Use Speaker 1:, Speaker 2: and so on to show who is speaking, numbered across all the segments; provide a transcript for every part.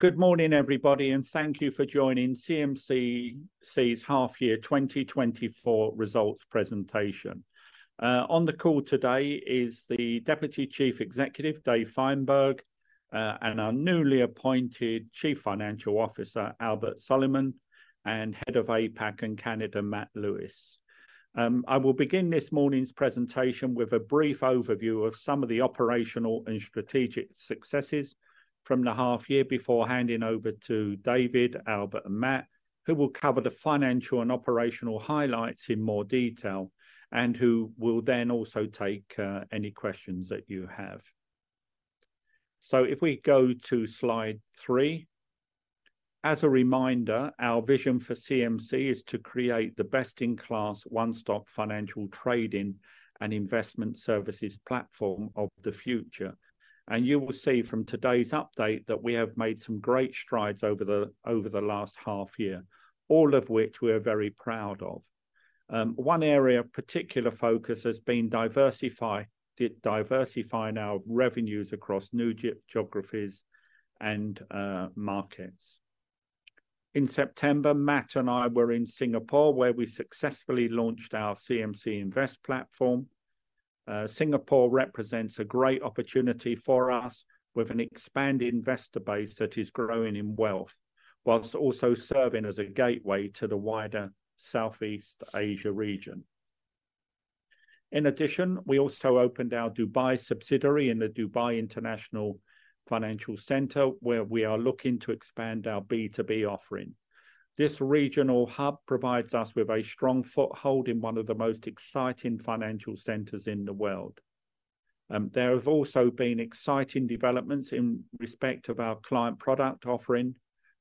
Speaker 1: Good morning, everybody, and thank you for joining CMC's half year 2024 results presentation. On the call today is the Deputy Chief Executive, David Fineberg, and our newly appointed Chief Financial Officer, Albert Soleiman, and Head of APAC and Canada, Matt Lewis. I will begin this morning's presentation with a brief overview of some of the operational and strategic successes from the half year before handing over to David, Albert, and Matt, who will cover the financial and operational highlights in more detail, and who will then also take any questions that you have. So if we go to slide 3. As a reminder, our vision for CMC is to create the best-in-class, one-stop financial trading and investment services platform of the future. You will see from today's update that we have made some great strides over the last half year, all of which we are very proud of. One area of particular focus has been diversifying our revenues across new geographies and markets. In September, Matt and I were in Singapore, where we successfully launched our CMC Invest platform. Singapore represents a great opportunity for us with an expanding investor base that is growing in wealth, whilst also serving as a gateway to the wider Southeast Asia region. In addition, we also opened our Dubai subsidiary in the Dubai International Financial Centre, where we are looking to expand our B2B offering. This regional hub provides us with a strong foothold in one of the most exciting financial centers in the world. There have also been exciting developments in respect of our client product offering.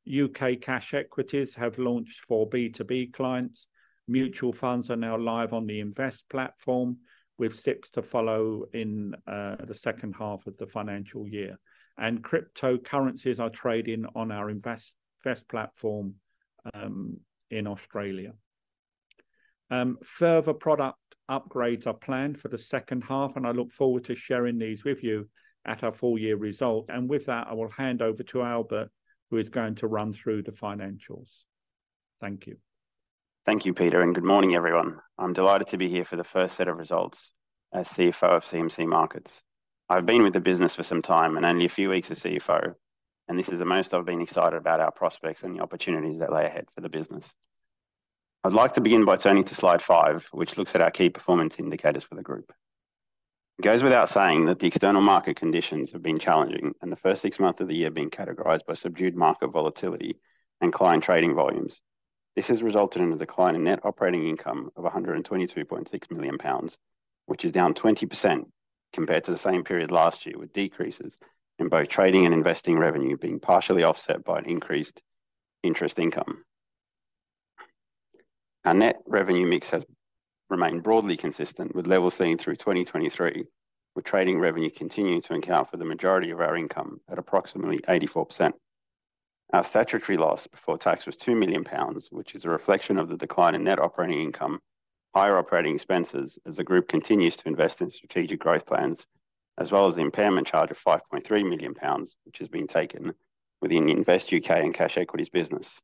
Speaker 1: UK cash equities have launched for B2B clients. Mutual funds are now live on the Invest platform, with SIPPs to follow in the second half of the financial year. cryptocurrencies are trading on our Invest platform in Australia. Further product upgrades are planned for the second half, and I look forward to sharing these with you at our full year result. With that, I will hand over to Albert, who is going to run through the financials. Thank you.
Speaker 2: Thank you, Peter, and good morning, everyone. I'm delighted to be here for the first set of results as CFO of CMC Markets. I've been with the business for some time and only a few weeks as CFO, and this is the most I've been excited about our prospects and the opportunities that lie ahead for the business. I'd like to begin by turning to slide 5, which looks at our key performance indicators for the group. It goes without saying that the external market conditions have been challenging, and the first six months of the year being categorized by subdued market volatility and client trading volumes. This has resulted in a decline in net operating income of 122.6 million pounds, which is down 20% compared to the same period last year, with decreases in both trading and investing revenue being partially offset by an increased interest income. Our net revenue mix has remained broadly consistent with levels seen through 2023, with trading revenue continuing to account for the majority of our income at approximately 84%. Our statutory loss before tax was 2 million pounds, which is a reflection of the decline in net operating income, higher operating expenses as the group continues to invest in strategic growth plans, as well as the impairment charge of 5.3 million pounds, which has been taken within the Invest UK and cash equities business.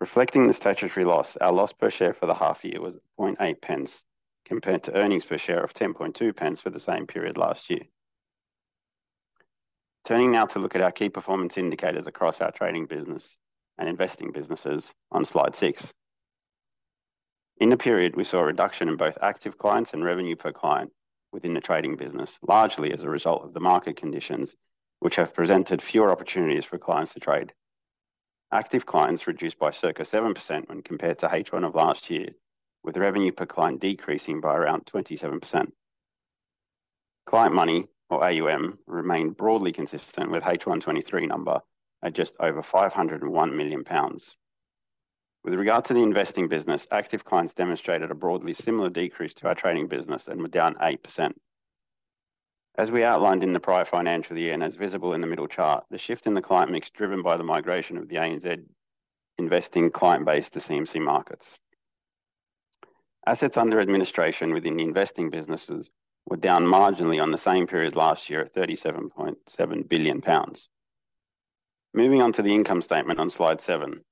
Speaker 2: Reflecting the statutory loss, our loss per share for the half year was 0.8 pence, compared to earnings per share of 10.2 pence for the same period last year. Turning now to look at our key performance indicators across our trading business and investing businesses on slide 6. In the period, we saw a reduction in both active clients and revenue per client within the trading business, largely as a result of the market conditions, which have presented fewer opportunities for clients to trade. Active clients reduced by circa 7% when compared to H1 of last year, with revenue per client decreasing by around 27%. Client money, or AUM, remained broadly consistent with H1 23 number at just over 501 million pounds. With regard to the investing business, active clients demonstrated a broadly similar decrease to our trading business and were down 8%. As we outlined in the prior financial year, and as visible in the middle chart, the shift in the client mix, driven by the migration of the ANZ investing client base to CMC Markets. Assets under administration within the investing businesses were down marginally on the same period last year at 37.7 billion pounds. Moving on to the income statement on slide 7.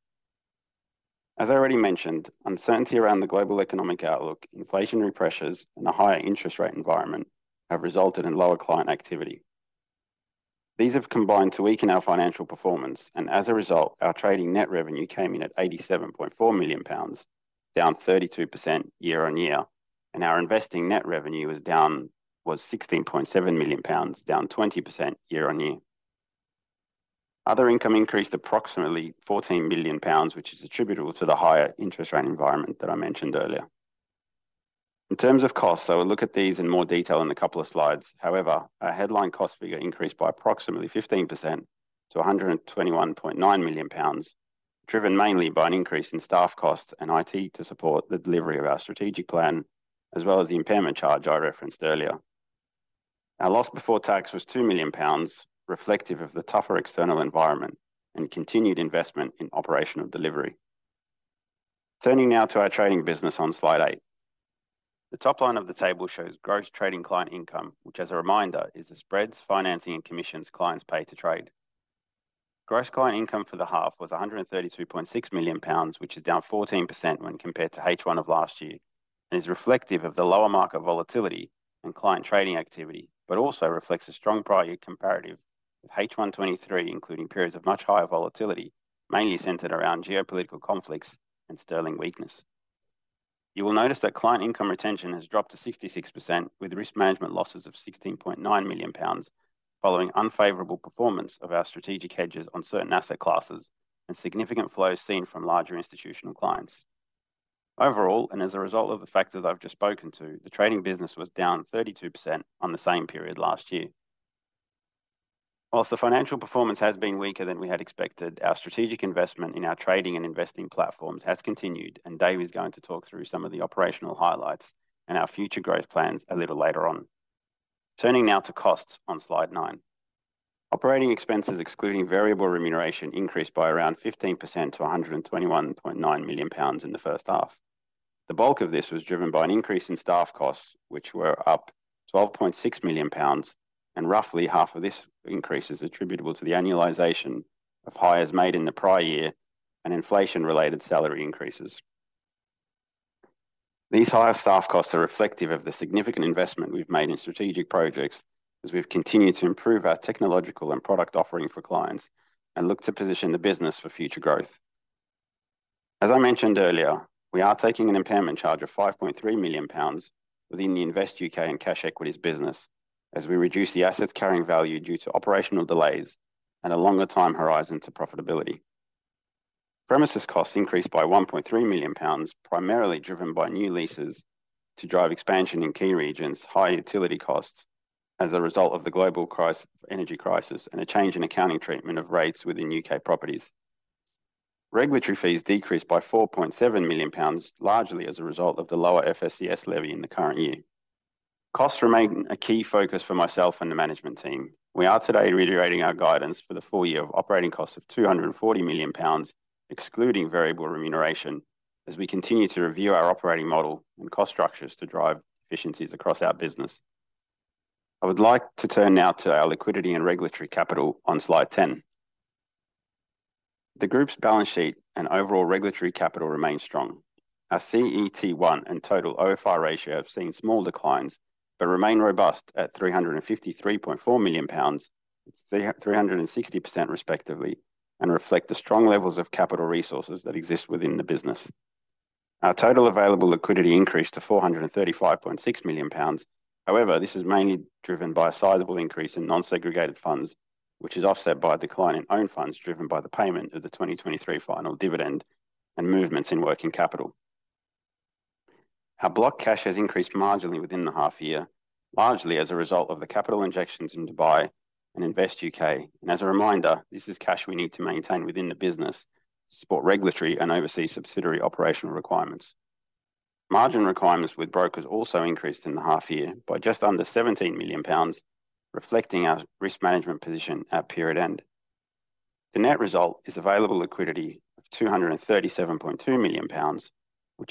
Speaker 2: As I already mentioned, uncertainty around the global economic outlook, inflationary pressures, and a higher interest rate environment have resulted in lower client activity. These have combined to weaken our financial performance, and as a result, our trading net revenue came in at 87.4 million pounds, down 32% year-on-year, and our investing net revenue was down 16.7 million pounds, down 20% year-on-year. Other income increased approximately 14 million pounds, which is attributable to the higher interest rate environment that I mentioned earlier. In terms of costs, so we'll look at these in more detail in a couple of slides. However, our headline cost figure increased by approximately 15% to 121.9 million pounds, driven mainly by an increase in staff costs and IT to support the delivery of our strategic plan, as well as the impairment charge I referenced earlier. Our loss before tax was 2 million pounds, reflective of the tougher external environment and continued investment in operational delivery. Turning now to our trading business on slide 8. The top line of the table shows gross trading client income, which, as a reminder, is the spreads, financing, and commissions clients pay to trade. Gross client income for the half was 132.6 million pounds, which is down 14% when compared to H1 of last year, and is reflective of the lower market volatility and client trading activity, but also reflects a strong prior year comparative of H1 2023, including periods of much higher volatility, mainly centered around geopolitical conflicts and sterling weakness. You will notice that client income retention has dropped to 66%, with risk management losses of 16.9 million pounds, following unfavorable performance of our strategic hedges on certain asset classes and significant flows seen from larger institutional clients. Overall, and as a result of the factors I've just spoken to, the trading business was down 32% on the same period last year. Whilst the financial performance has been weaker than we had expected, our strategic investment in our trading and investing platforms has continued, and Dave is going to talk through some of the operational highlights and our future growth plans a little later on. Turning now to costs on slide 9. Operating expenses, excluding variable remuneration, increased by around 15% to 121.9 million pounds in the first half. The bulk of this was driven by an increase in staff costs, which were up 12.6 million pounds, and roughly half of this increase is attributable to the annualization of hires made in the prior year and inflation-related salary increases. These higher staff costs are reflective of the significant investment we've made in strategic projects as we've continued to improve our technological and product offering for clients and look to position the business for future growth. As I mentioned earlier, we are taking an impairment charge of 5.3 million pounds within the Invest UK and cash equities business as we reduce the assets carrying value due to operational delays and a longer time horizon to profitability. Premises costs increased by 1.3 million pounds, primarily driven by new leases to drive expansion in key regions, high utility costs as a result of the global crisis, energy crisis, and a change in accounting treatment of rates within UK properties. Regulatory fees decreased by 4.7 million pounds, largely as a result of the lower FSCS levy in the current year. Costs remain a key focus for myself and the management team. We are today reiterating our guidance for the full year of operating costs of 240 million pounds, excluding variable remuneration, as we continue to review our operating model and cost structures to drive efficiencies across our business. I would like to turn now to our liquidity and regulatory capital on slide 10. The group's balance sheet and overall regulatory capital remain strong. Our CET1 and total OFI ratio have seen small declines, but remain robust at 353.4 million pounds, 360% respectively, and reflect the strong levels of capital resources that exist within the business. Our total available liquidity increased to 435.6 million pounds. However, this is mainly driven by a sizable increase in non-segregated funds, which is offset by a decline in own funds, driven by the payment of the 2023 final dividend and movements in working capital. Our blocked cash has increased marginally within the half year, largely as a result of the capital injections in Dubai and Invest UK. As a reminder, this is cash we need to maintain within the business to support regulatory and overseas subsidiary operational requirements. Margin requirements with brokers also increased in the half year by just under 17 million pounds, reflecting our risk management position at period end. The net result is available liquidity of 237.2 million pounds, which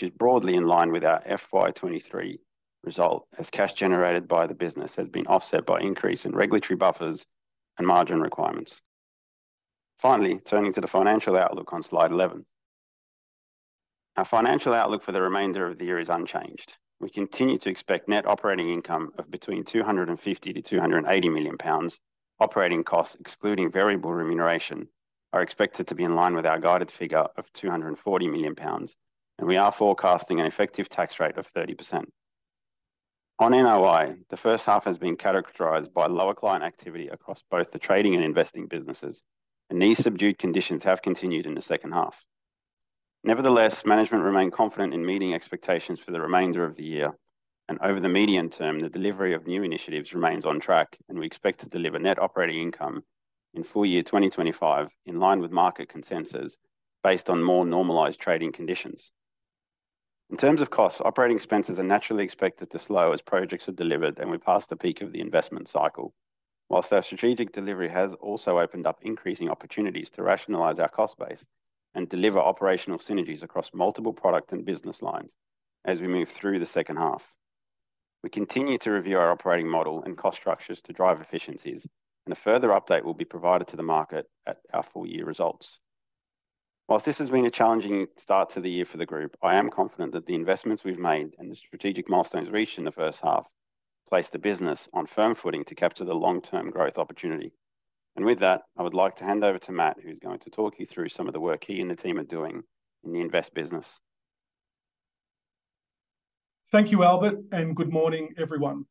Speaker 2: is broadly in line with our FY 2023 result, as cash generated by the business has been offset by increase in regulatory buffers and margin requirements. Finally, turning to the financial outlook on slide 11. Our financial outlook for the remainder of the year is unchanged. We continue to expect net operating income of between 250 million-280 million pounds. Operating costs, excluding variable remuneration, are expected to be in line with our guided figure of 240 million pounds, and we are forecasting an effective tax rate of 30%. On NOI, the first half has been characterized by lower client activity across both the trading and investing businesses, and these subdued conditions have continued in the second half. Nevertheless, management remain confident in meeting expectations for the remainder of the year. Over the medium term, the delivery of new initiatives remains on track, and we expect to deliver net operating income in full year 2025, in line with market consensus, based on more normalized trading conditions. In terms of costs, operating expenses are naturally expected to slow as projects are delivered and we pass the peak of the investment cycle. While our strategic delivery has also opened up increasing opportunities to rationalize our cost base and deliver operational synergies across multiple product and business lines as we move through the second half. We continue to review our operating model and cost structures to drive efficiencies, and a further update will be provided to the market at our full year results. Whilst this has been a challenging start to the year for the group, I am confident that the investments we've made and the strategic milestones reached in the first half place the business on firm footing to capture the long-term growth opportunity. And with that, I would like to hand over to Matt, who's going to talk you through some of the work he and the team are doing in the Invest business.
Speaker 3: Thank you, Albert, and good morning, everyone.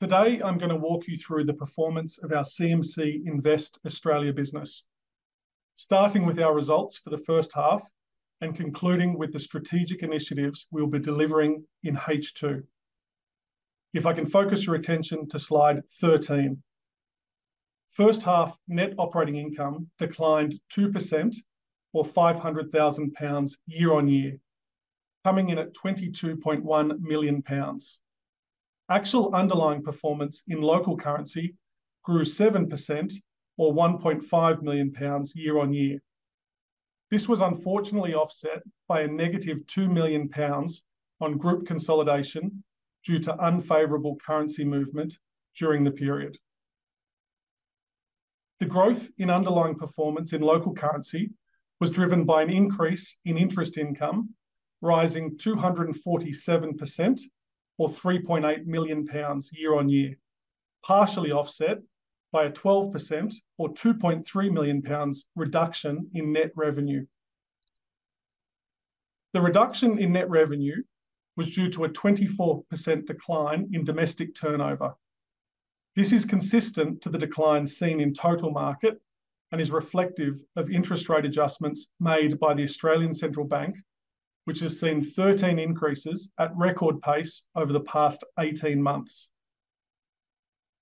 Speaker 3: Today, I'm going to walk you through the performance of our CMC Invest Australia business. Starting with our results for the first half and concluding with the strategic initiatives we'll be delivering in H2. If I can focus your attention to slide 13. First half net operating income declined 2% or 500,000 pounds year-on-year, coming in at 22.1 million pounds. Actual underlying performance in local currency grew 7% or 1.5 million pounds year-on-year. This was unfortunately offset by a negative 2 million pounds on group consolidation due to unfavorable currency movement during the period. The growth in underlying performance in local currency was driven by an increase in interest income, rising 247%, or 3.8 million pounds year-over-year, partially offset by a 12%, or 2.3 million pounds, reduction in net revenue. The reduction in net revenue was due to a 24% decline in domestic turnover. This is consistent to the decline seen in total market and is reflective of interest rate adjustments made by the Australian Central Bank, which has seen 13 increases at record pace over the past 18 months.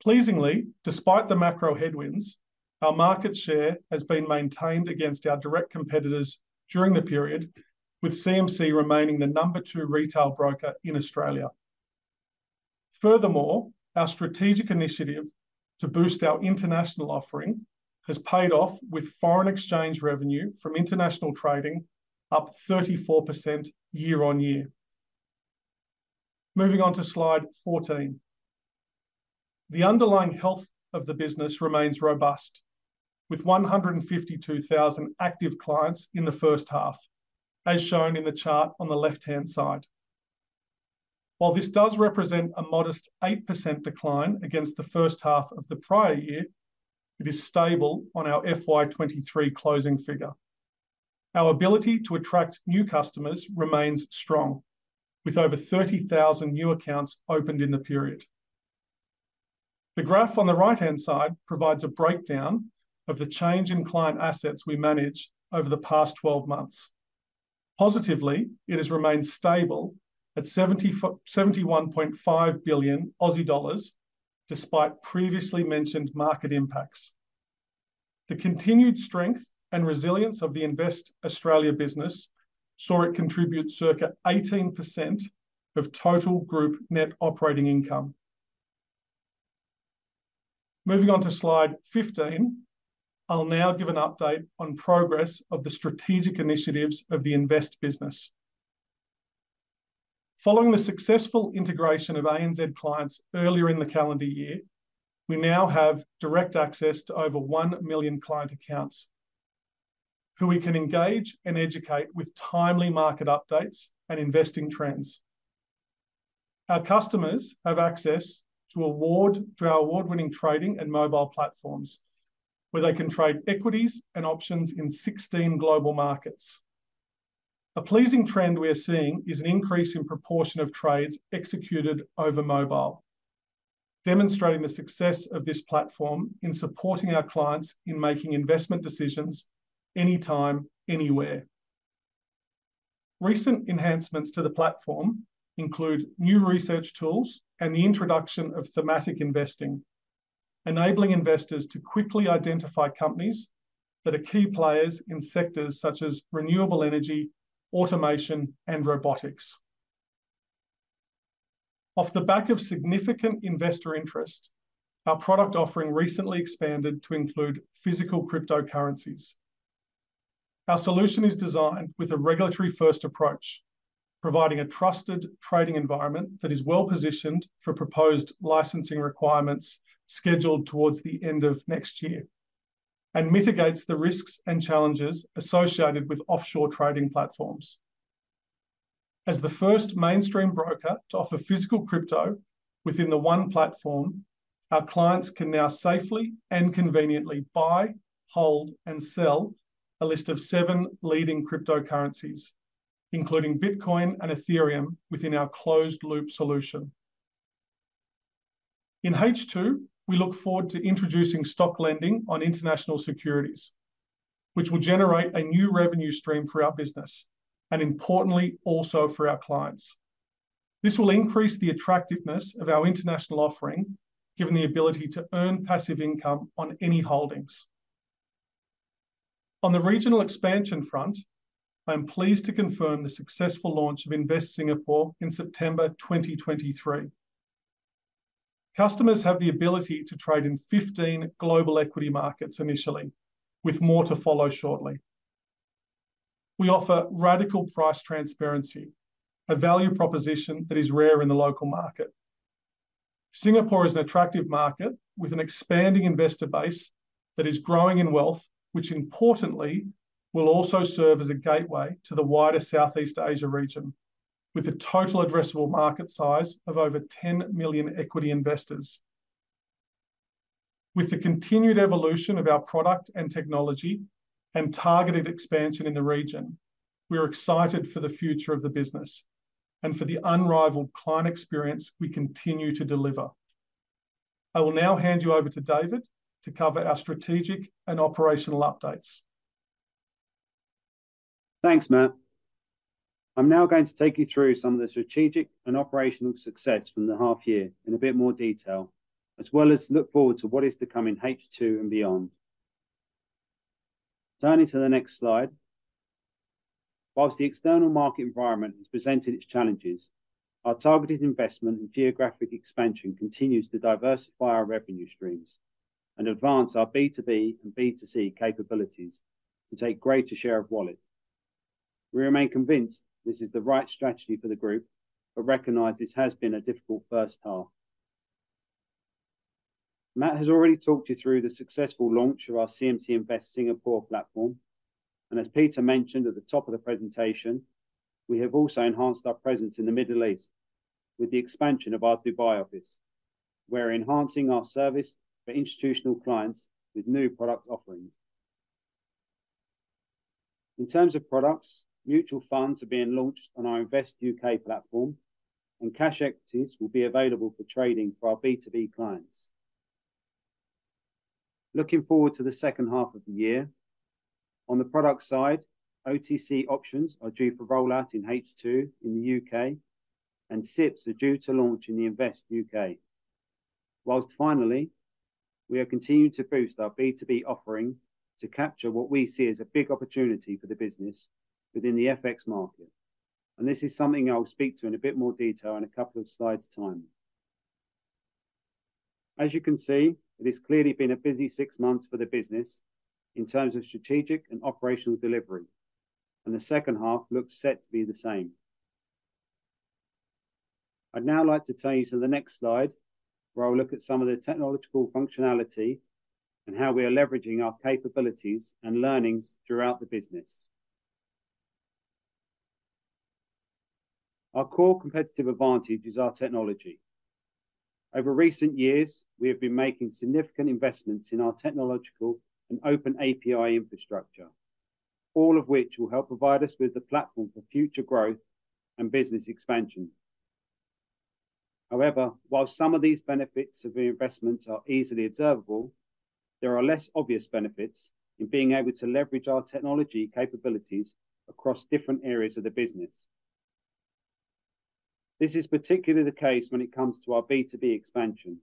Speaker 3: Pleasingly, despite the macro headwinds, our market share has been maintained against our direct competitors during the period, with CMC remaining the number two retail broker in Australia. Furthermore, our strategic initiative to boost our international offering has paid off, with foreign exchange revenue from international trading up 34% year-over-year. Moving on to slide 14. The underlying health of the business remains robust, with 152,000 active clients in the first half, as shown in the chart on the left-hand side. While this does represent a modest 8% decline against the first half of the prior year, it is stable on our FY 2023 closing figure. Our ability to attract new customers remains strong, with over 30,000 new accounts opened in the period. The graph on the right-hand side provides a breakdown of the change in client assets we managed over the past twelve months. Positively, it has remained stable at 71.5 billion Aussie dollars, despite previously mentioned market impacts. The continued strength and resilience of the Invest Australia business saw it contribute circa 18% of total group net operating income. Moving on to slide 15, I'll now give an update on progress of the strategic initiatives of the Invest business. Following the successful integration of ANZ clients earlier in the calendar year, we now have direct access to over 1 million client accounts who we can engage and educate with timely market updates and investing trends. Our customers have access to our award-winning trading and mobile platforms, where they can trade equities and options in 16 global markets. A pleasing trend we are seeing is an increase in proportion of trades executed over mobile, demonstrating the success of this platform in supporting our clients in making investment decisions anytime, anywhere. Recent enhancements to the platform include new research tools and the introduction of thematic investing, enabling investors to quickly identify companies that are key players in sectors such as renewable energy, automation, and robotics. Off the back of significant investor interest, our product offering recently expanded to include physical cryptocurrencies. Our solution is designed with a regulatory-first approach, providing a trusted trading environment that is well-positioned for proposed licensing requirements scheduled towards the end of next year and mitigates the risks and challenges associated with offshore trading platforms. As the first mainstream broker to offer physical crypto within the one platform, our clients can now safely and conveniently buy, hold, and sell a list of seven leading cryptocurrencies, including Bitcoin and Ethereum, within our closed-loop solution. In H2, we look forward to introducing stock lending on international securities, which will generate a new revenue stream for our business, and importantly, also for our clients. This will increase the attractiveness of our international offering, given the ability to earn passive income on any holdings. On the regional expansion front, I am pleased to confirm the successful launch of Invest Singapore in September 2023. Customers have the ability to trade in 15 global equity markets initially, with more to follow shortly. We offer radical price transparency, a value proposition that is rare in the local market. Singapore is an attractive market with an expanding investor base that is growing in wealth, which importantly, will also serve as a gateway to the wider Southeast Asia region, with a total addressable market size of over 10 million equity investors. With the continued evolution of our product and technology and targeted expansion in the region, we are excited for the future of the business and for the unrivaled client experience we continue to deliver. I will now hand you over to David to cover our strategic and operational updates.
Speaker 4: Thanks, Matt. I'm now going to take you through some of the strategic and operational success from the half year in a bit more detail, as well as look forward to what is to come in H2 and beyond... Turning to the next slide. While the external market environment has presented its challenges, our targeted investment and geographic expansion continues to diversify our revenue streams and advance our B2B and B2C capabilities to take greater share of wallet. We remain convinced this is the right strategy for the group, but recognize this has been a difficult first half. Matt has already talked you through the successful launch of our CMC Invest Singapore platform, and as Peter mentioned at the top of the presentation, we have also enhanced our presence in the Middle East with the expansion of our Dubai office. We're enhancing our service for institutional clients with new product offerings. In terms of products, mutual funds are being launched on our Invest UK platform, and cash equities will be available for trading for our B2B clients. Looking forward to the second half of the year, on the product side, OTC options are due for rollout in H2 in the UK, and SIPPs are due to launch in the Invest UK. Whilst finally, we have continued to boost our B2B offering to capture what we see as a big opportunity for the business within the FX market, and this is something I'll speak to in a bit more detail in a couple of slides' time. As you can see, it has clearly been a busy six months for the business in terms of strategic and operational delivery, and the second half looks set to be the same. I'd now like to turn you to the next slide, where I'll look at some of the technological functionality and how we are leveraging our capabilities and learnings throughout the business. Our core competitive advantage is our technology. Over recent years, we have been making significant investments in our technological and open API infrastructure, all of which will help provide us with the platform for future growth and business expansion. However, while some of these benefits of the investments are easily observable, there are less obvious benefits in being able to leverage our technology capabilities across different areas of the business. This is particularly the case when it comes to our B2B expansion,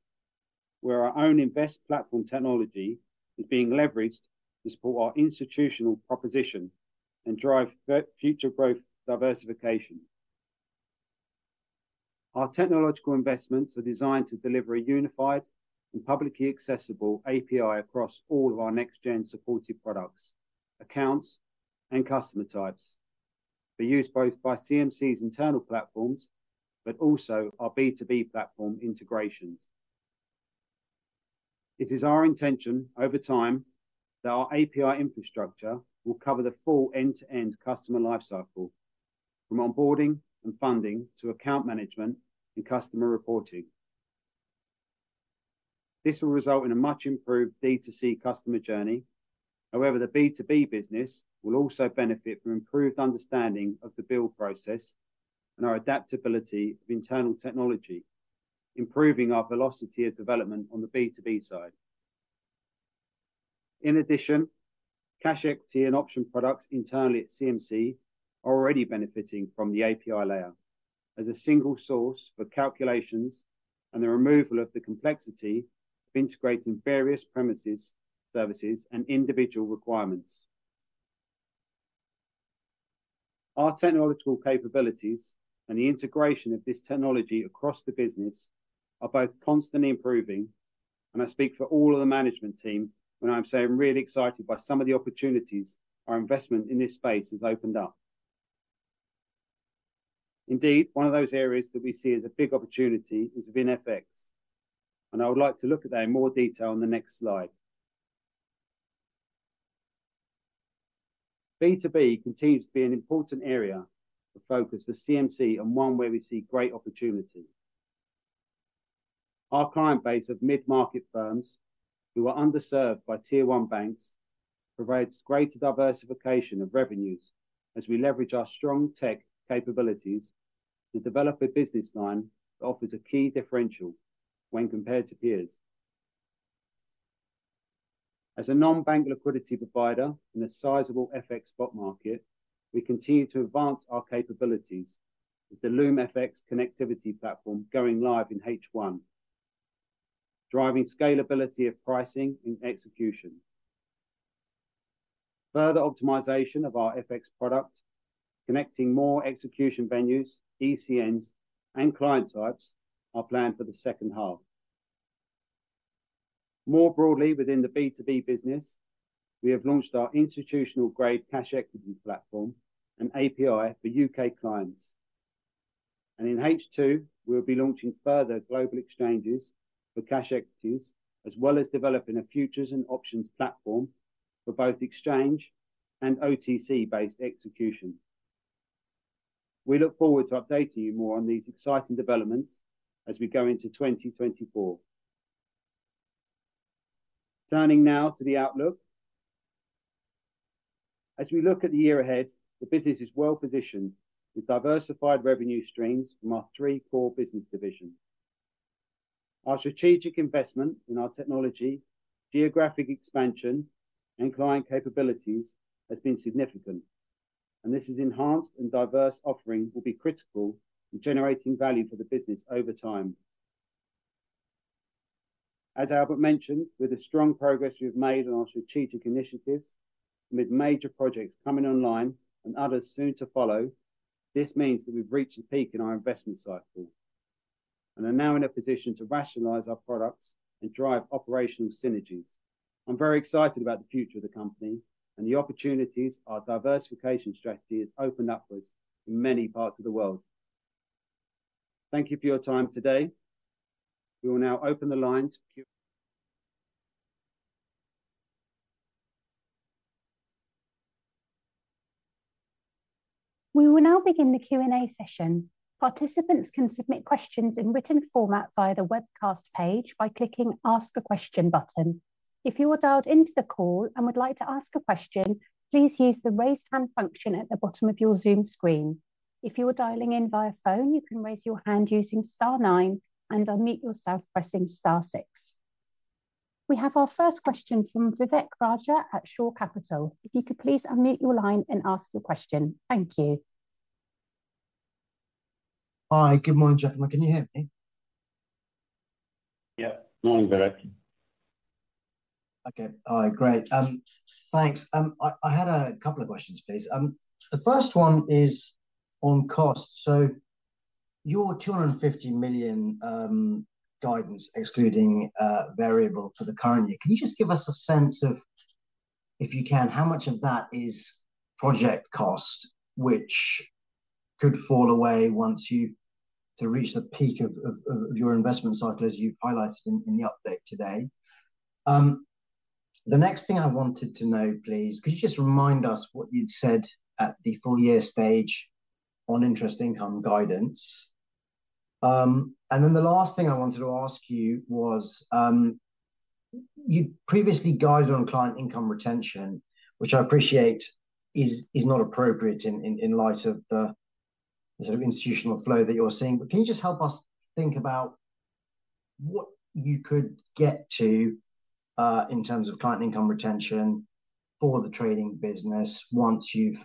Speaker 4: where our own Invest platform technology is being leveraged to support our institutional proposition and drive future growth diversification. Our technological investments are designed to deliver a unified and publicly accessible API across all of our next-gen supported products, accounts, and customer types. They're used both by CMC's internal platforms, but also our B2B platform integrations. It is our intention, over time, that our API infrastructure will cover the full end-to-end customer life cycle, from onboarding and funding to account management and customer reporting. This will result in a much improved D2C customer journey. However, the B2B business will also benefit from improved understanding of the build process and our adaptability of internal technology, improving our velocity of development on the B2B side. In addition, cash equity and option products internally at CMC are already benefiting from the API layer as a single source for calculations and the removal of the complexity of integrating various premises, services, and individual requirements. Our technological capabilities and the integration of this technology across the business are both constantly improving, and I speak for all of the management team when I say I'm really excited by some of the opportunities our investment in this space has opened up. Indeed, one of those areas that we see as a big opportunity is within FX, and I would like to look at that in more detail on the next slide. B2B continues to be an important area of focus for CMC and one where we see great opportunity. Our client base of mid-market firms, who are underserved by Tier One banks, provides greater diversification of revenues as we leverage our strong tech capabilities to develop a business line that offers a key differential when compared to peers. As a non-bank liquidity provider in a sizable FX spot market, we continue to advance our capabilities, with the Loop FX connectivity platform going live in H1, driving scalability of pricing and execution. Further optimization of our FX product, connecting more execution venues, ECNs and client types are planned for the second half. More broadly, within the B2B business, we have launched our institutional-grade cash equity platform and API for UK clients. In H2, we'll be launching further global exchanges for cash equities, as well as developing a futures and options platform for both exchange and OTC-based execution. We look forward to updating you more on these exciting developments as we go into 2024. Turning now to the outlook. As we look at the year ahead, the business is well positioned with diversified revenue streams from our three core business divisions. Our strategic investment in our technology, geographic expansion, and client capabilities has been significant, and this enhanced and diverse offering will be critical in generating value for the business over time.… As Albert mentioned, with the strong progress we've made on our strategic initiatives, with major projects coming online and others soon to follow, this means that we've reached a peak in our investment cycle, and are now in a position to rationalize our products and drive operational synergies. I'm very excited about the future of the company and the opportunities our diversification strategy has opened up for us in many parts of the world. Thank you for your time today. We will now open the lines Q.
Speaker 5: We will now begin the Q&A session. Participants can submit questions in written format via the webcast page by clicking Ask a Question button. If you are dialed into the call and would like to ask a question, please use the Raise Hand function at the bottom of your Zoom screen. If you are dialing in via phone, you can raise your hand using star nine and unmute yourself pressing star six. We have our first question from Vivek Raja at Shore Capital. If you could please unmute your line and ask your question. Thank you.
Speaker 6: Hi, good morning, gentlemen. Can you hear me?
Speaker 2: Yeah. Morning, Vivek.
Speaker 6: Okay. All right, great. Thanks. I had a couple of questions, please. The first one is on cost. So your 250 million guidance, excluding variable for the current year, can you just give us a sense of, if you can, how much of that is project cost, which could fall away once you to reach the peak of your investment cycle, as you highlighted in the update today? The next thing I wanted to know, please, could you just remind us what you'd said at the full year stage on interest income guidance? And then the last thing I wanted to ask you was, you previously guided on client income retention, which I appreciate is not appropriate in light of the sort of institutional flow that you're seeing. But can you just help us think about what you could get to, in terms of client income retention for the trading business once you've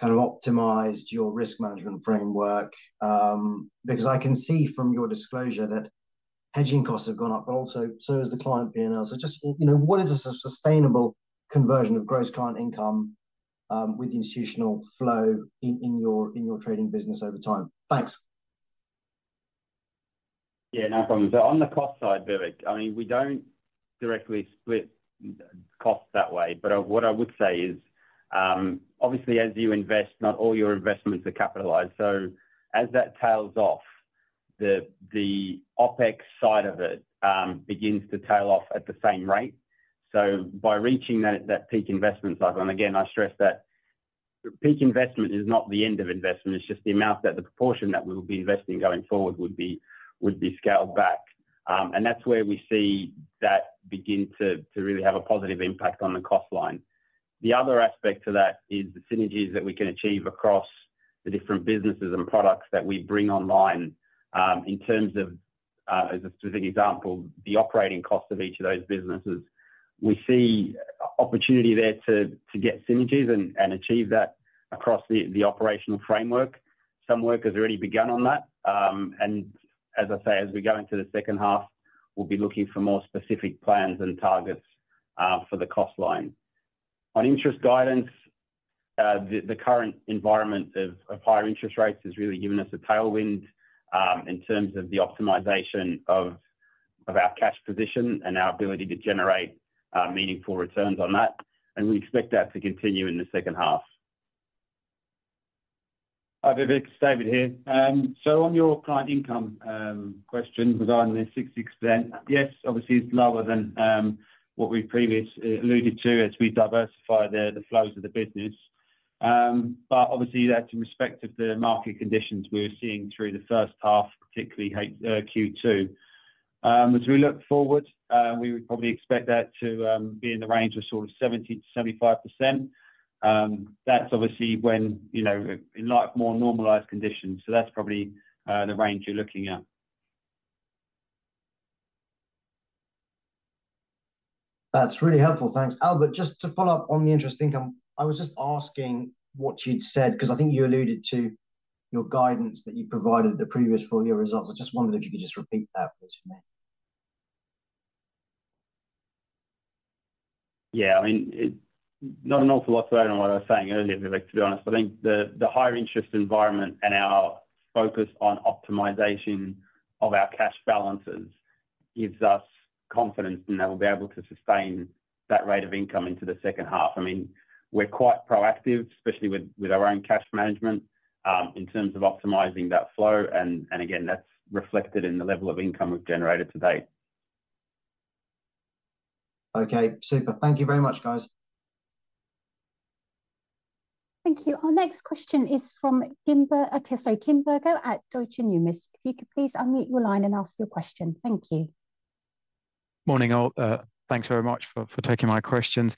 Speaker 6: kind of optimized your risk management framework? Because I can see from your disclosure that hedging costs have gone up, but also so has the client PNL. So just, you know, what is a sustainable conversion of gross client income, with institutional flow in your trading business over time? Thanks.
Speaker 2: Yeah, no problem. So on the cost side, Vivek, I mean, we don't directly split costs that way, but what I would say is, obviously, as you invest, not all your investments are capitalized. So as that tails off, the OpEx side of it begins to tail off at the same rate. So by reaching that peak investment cycle, and again, I stress that peak investment is not the end of investment, it's just the amount that the proportion that we will be investing going forward would be scaled back. And that's where we see that begin to really have a positive impact on the cost line. The other aspect to that is the synergies that we can achieve across the different businesses and products that we bring online. In terms of, as a specific example, the operating cost of each of those businesses. We see opportunity there to get synergies and achieve that across the operational framework. Some work has already begun on that, and as I say, as we go into the second half, we'll be looking for more specific plans and targets for the cost line. On interest guidance, the current environment of higher interest rates has really given us a tailwind, in terms of the optimization of our cash position and our ability to generate meaningful returns on that, and we expect that to continue in the second half.
Speaker 4: Hi, Vivek, David here. So on your client income question regarding the 60%, yes, obviously, it's lower than what we previously alluded to as we diversify the flows of the business. But obviously, that's in respect of the market conditions we were seeing through the first half, particularly Q2. As we look forward, we would probably expect that to be in the range of sort of 70%-75%. That's obviously when, you know, in light of more normalized conditions, so that's probably the range you're looking at.
Speaker 6: That's really helpful. Thanks. Albert, just to follow up on the interest income, I was just asking what you'd said, 'cause I think you alluded to your guidance that you provided at the previous full year results. I just wondered if you could just repeat that please for me.
Speaker 2: Yeah, I mean, not an awful lot to add on what I was saying earlier, Vivek, to be honest. I think the, the higher interest environment and our focus on optimization of our cash balances gives us confidence that we'll be able to sustain that rate of income into the second half. I mean, we're quite proactive, especially with, with our own cash management, in terms of optimizing that flow, and, and again, that's reflected in the level of income we've generated to date.
Speaker 6: Okay, super. Thank you very much, guys.
Speaker 5: Thank you. Our next question is from Kimber-- sorry, Kim Bergoe at Deutsche Numis. If you could please unmute your line and ask your question. Thank you.
Speaker 7: Morning, all. Thanks very much for taking my questions.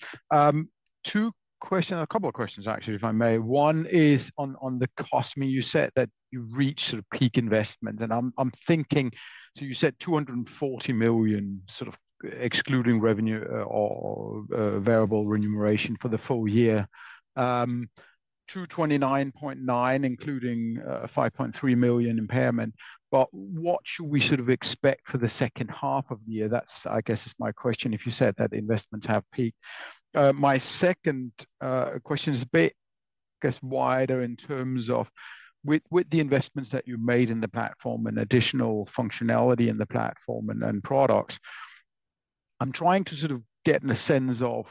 Speaker 7: Two questions, a couple of questions, actually, if I may. One is on the cost. You said that you reached sort of peak investment, and I'm thinking. So you said 240 million, sort of excluding revenue or variable remuneration for the full year. 229.9 million, including 5.3 million impairment. But what should we sort of expect for the second half of the year? That's, I guess, is my question, if you said that the investments have peaked. My second question is a bit, I guess, wider in terms of with the investments that you've made in the platform and additional functionality in the platform and products. I'm trying to sort of get a sense of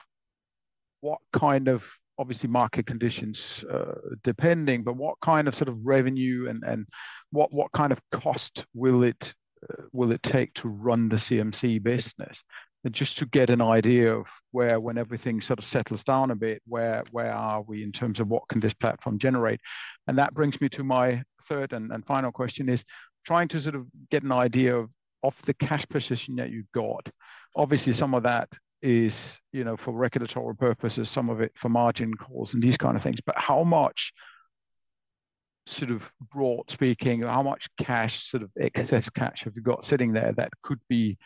Speaker 7: what kind of, obviously, market conditions, depending, but what kind of, sort of, revenue and, and what, what kind of cost will it, will it take to run the CMC business? And just to get an idea of where, when everything sort of settles down a bit, where, where are we in terms of what can this platform generate? And that brings me to my third and, and final question, is trying to sort of get an idea of the cash position that you've got. Obviously, some of that is, you know, for regulatory purposes, some of it for margin calls and these kind of things. But how much, sort of, broadly speaking, how much cash, sort of, excess cash have you got sitting there that could be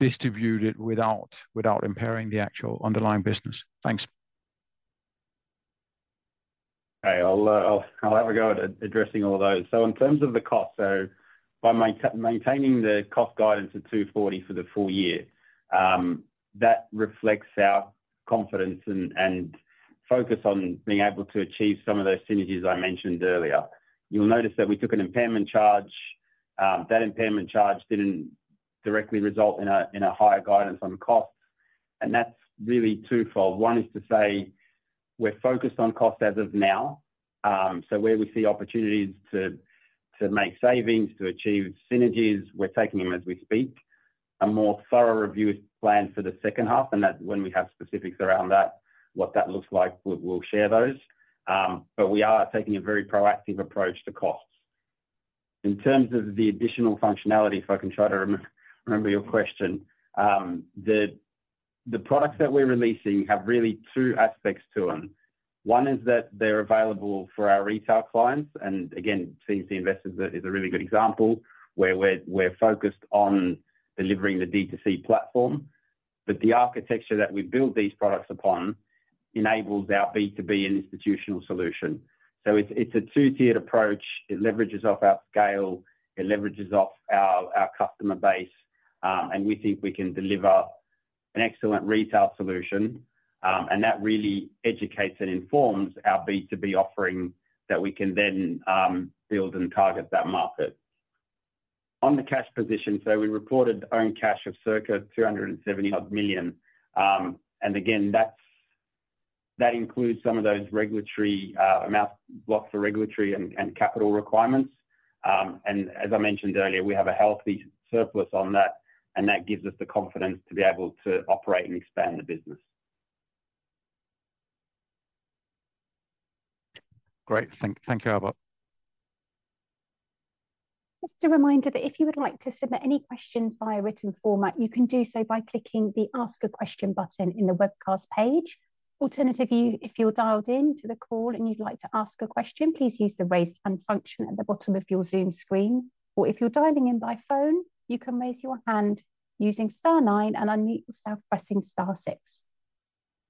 Speaker 7: distributed without, without impairing the actual underlying business? Thanks.
Speaker 2: I'll have a go at addressing all those. So in terms of the cost, by maintaining the cost guidance of 240 for the full year, that reflects our confidence and focus on being able to achieve some of those synergies I mentioned earlier. You'll notice that we took an impairment charge. That impairment charge didn't directly result in a higher guidance on costs, and that's really twofold. One is to say we're focused on costs as of now. So where we see opportunities to make savings, to achieve synergies, we're taking them as we speak. A more thorough review is planned for the second half, and that's when we have specifics around that, what that looks like, we'll share those. But we are taking a very proactive approach to costs. In terms of the additional functionality, if I can try to remember your question, the products that we're releasing have really two aspects to them. One is that they're available for our retail clients, and again, CMC Invest is a really good example, where we're focused on delivering the D2C platform. But the architecture that we build these products upon enables our B2B and institutional solution. So it's a two-tiered approach. It leverages off our scale, it leverages off our customer base, and we think we can deliver an excellent retail solution. And that really educates and informs our B2B offering that we can then build and target that market. On the cash position, so we reported own cash of circa 370-odd million. And again, that includes some of those regulatory amounts blocked for regulatory and capital requirements. And as I mentioned earlier, we have a healthy surplus on that, and that gives us the confidence to be able to operate and expand the business.
Speaker 7: Great. Thank you, Albert.
Speaker 5: Just a reminder that if you would like to submit any questions via written format, you can do so by clicking the Ask a Question button in the webcast page. Alternatively, if you're dialed in to the call and you'd like to ask a question, please use the Raise Hand function at the bottom of your Zoom screen. Or if you're dialing in by phone, you can raise your hand using star nine and unmute yourself by pressing star six.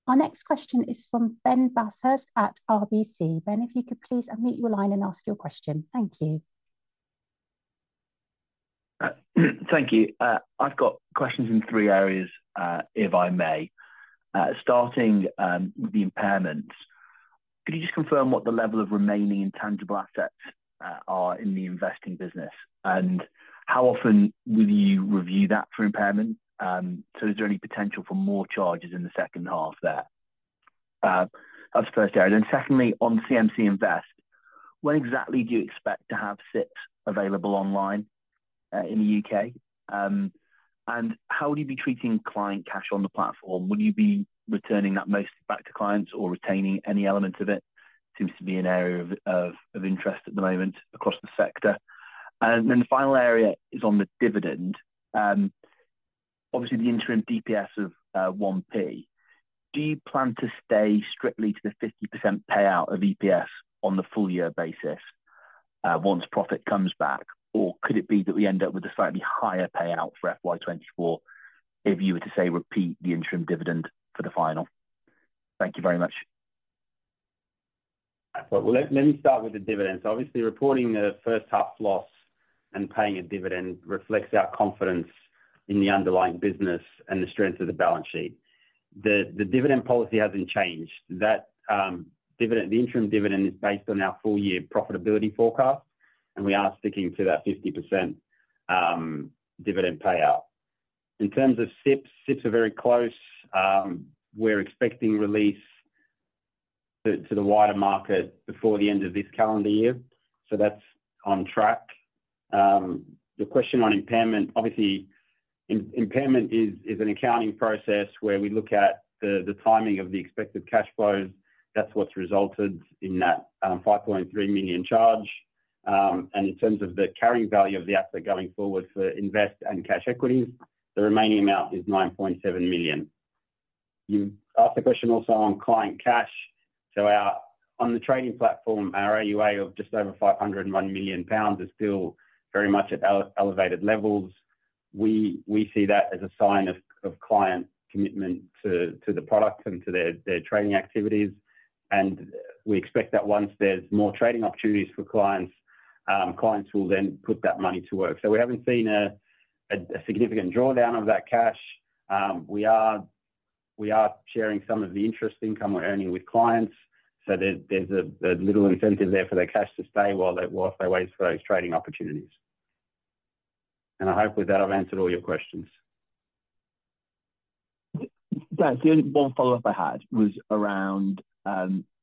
Speaker 5: Our next question is from Ben Bathurst at RBC. Ben, if you could please unmute your line and ask your question. Thank you.
Speaker 8: Thank you. I've got questions in three areas, if I may. Starting with the impairment, could you just confirm what the level of remaining intangible assets are in the investing business? And how often will you review that for impairment? So is there any potential for more charges in the second half there? That's the first area. Then secondly, on CMC Invest, when exactly do you expect to have SIPPs available online in the UK? And how would you be treating client cash on the platform? Would you be returning that mostly back to clients or retaining any element of it? Seems to be an area of interest at the moment across the sector. And then the final area is on the dividend. Obviously, the interim DPS of 1p, do you plan to stay strictly to the 50% payout of EPS on the full year basis, once profit comes back? Or could it be that we end up with a slightly higher payout for FY 2024, if you were to, say, repeat the interim dividend for the final? Thank you very much.
Speaker 2: Well, let me start with the dividends. Obviously, reporting a first half loss and paying a dividend reflects our confidence in the underlying business and the strength of the balance sheet. The dividend policy hasn't changed. That dividend, the interim dividend is based on our full-year profitability forecast, and we are sticking to that 50% dividend payout. In terms of SIPPs, SIPPs are very close. We're expecting release to the wider market before the end of this calendar year, so that's on track. The question on impairment, obviously, impairment is an accounting process where we look at the timing of the expected cash flows. That's what's resulted in that 5.3 million charge. And in terms of the carrying value of the asset going forward for invest and cash equities, the remaining amount is 9.7 million. You asked a question also on client cash. So on the trading platform, our AUA of just over 501 million pounds is still very much at elevated levels. We see that as a sign of client commitment to the product and to their trading activities. And we expect that once there's more trading opportunities for clients, clients will then put that money to work. So we haven't seen a significant drawdown of that cash. We are sharing some of the interest income we're earning with clients, so there's a little incentive there for their cash to stay whilst they wait for those trading opportunities. I hope with that, I've answered all your questions.
Speaker 8: Yeah. The only one follow-up I had was around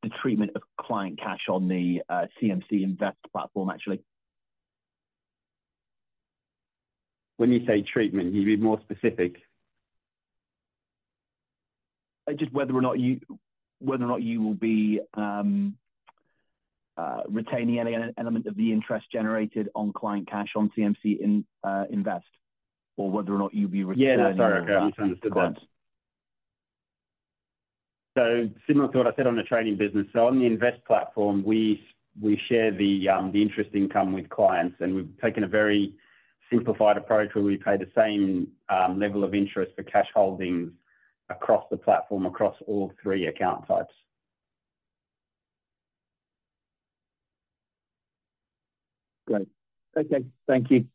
Speaker 8: the treatment of client cash on the CMC Invest platform, actually.
Speaker 2: When you say treatment, can you be more specific?
Speaker 8: Just whether or not you, whether or not you will be retaining any element of the interest generated on client cash on CMC Invest, or whether or not you'll be returning-
Speaker 2: Yeah. Sorry, okay. I misunderstood that.
Speaker 8: Correct.
Speaker 2: So similar to what I said on the trading business, on the Invest platform, we share the interest income with clients, and we've taken a very simplified approach where we pay the same level of interest for cash holdings across the platform, across all three account types.
Speaker 8: Great. Okay. Thank you.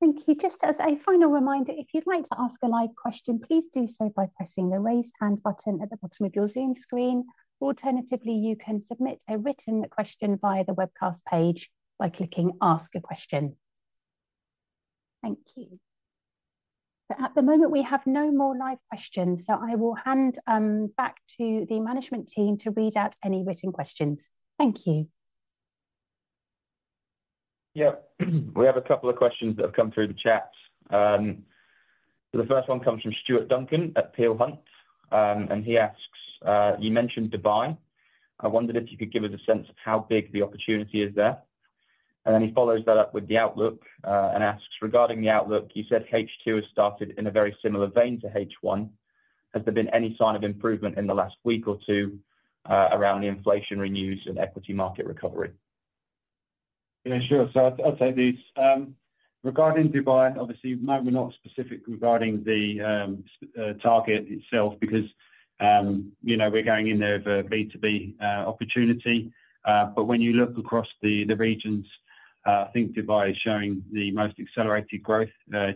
Speaker 5: Thank you. Just as a final reminder, if you'd like to ask a live question, please do so by pressing the Raise Hand button at the bottom of your Zoom screen. Alternatively, you can submit a written question via the webcast page by clicking Ask a Question. Thank you. But at the moment, we have no more live questions, so I will hand back to the management team to read out any written questions. Thank you.
Speaker 9: Yep. We have a couple of questions that have come through the chat. So the first one comes from Stuart Duncan at Peel Hunt, and he asks, "You mentioned Dubai. I wondered if you could give us a sense of how big the opportunity is there?" And then he follows that up with the outlook, and asks, "Regarding the outlook, you said H2 has started in a very similar vein to H1. Has there been any sign of improvement in the last week or two, around the inflationary news and equity market recovery?
Speaker 2: Yeah, sure. So I'll take these. Regarding Dubai, obviously, no, we're not specific regarding the target itself because, you know, we're going in there of a B2B opportunity. But when you look across the regions, I think Dubai is showing the most accelerated growth,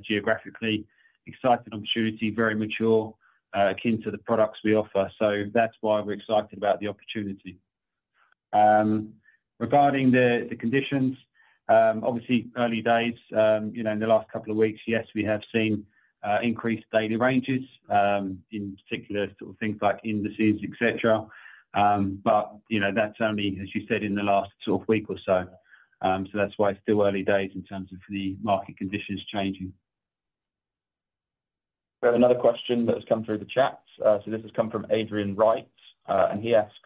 Speaker 2: geographically. Exciting opportunity, very mature, akin to the products we offer. So that's why we're excited about the opportunity. Regarding the conditions, obviously, early days, you know, in the last couple of weeks, yes, we have seen increased daily ranges, in particular, sort of things like indices, et cetera. But, you know, that's only, as you said, in the last sort of week or so. So that's why it's still early days in terms of the market conditions changing.
Speaker 9: We have another question that has come through the chat. So this has come from Adrian Wright, and he asks,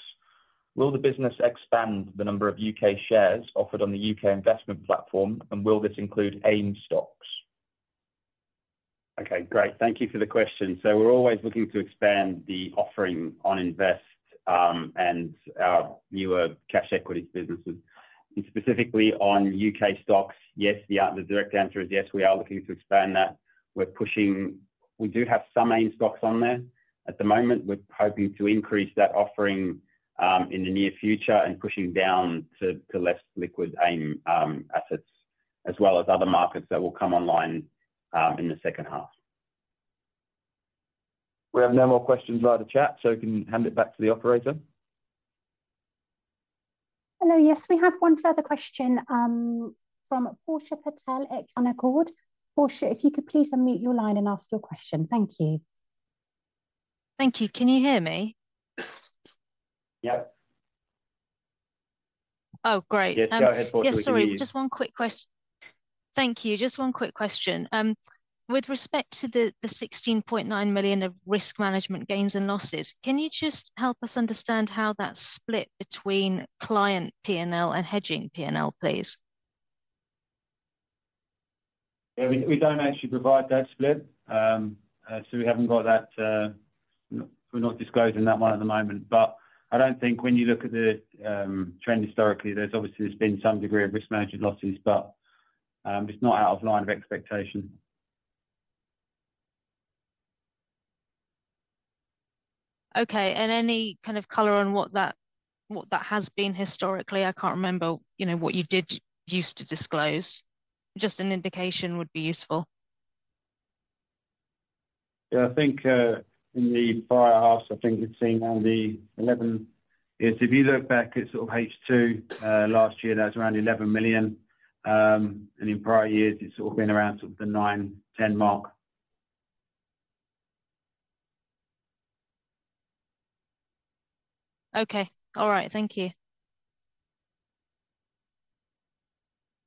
Speaker 9: "Will the business expand the number of UK shares offered on the UK investment platform, and will this include AIM stocks?
Speaker 2: Okay, great. Thank you for the question. So we're always looking to expand the offering on Invest and our newer cash equities businesses. And specifically on UK stocks, yes, the direct answer is yes, we are looking to expand that. We're pushing. We do have some AIM stocks on there. At the moment, we're hoping to increase that offering in the near future and pushing down to less liquid AIM assets, as well as other markets that will come online in the second half.
Speaker 9: We have no more questions via the chat, so we can hand it back to the operator.
Speaker 5: Hello, yes, we have one further question, from Portia Patel at Canaccord. Portia, if you could please unmute your line and ask your question. Thank you.
Speaker 10: Thank you. Can you hear me?
Speaker 2: Yep.
Speaker 10: Oh, great.
Speaker 2: Yes, go ahead, Portia. We can hear you.
Speaker 10: Yeah, sorry, thank you. Just one quick question. With respect to the 16.9 million of risk management gains and losses, can you just help us understand how that's split between client PNL and hedging PNL, please?
Speaker 2: Yeah, we don't actually provide that split. So we haven't got that, we're not disclosing that one at the moment. But I don't think when you look at the trend historically, there's obviously been some degree of risk management losses, but it's not out of line of expectation.
Speaker 10: Okay, and any kind of color on what that, what that has been historically? I can't remember, you know, what you did used to disclose. Just an indication would be useful.
Speaker 2: Yeah, I think, in the prior halves, I think we've seen around the 11. If you look back at sort of H2 last year, that was around 11 million. And in prior years, it's sort of been around sort of the nine-10 mark.
Speaker 10: Okay. All right. Thank you.